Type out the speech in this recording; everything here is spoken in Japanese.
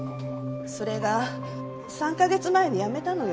それが３カ月前に辞めたのよ。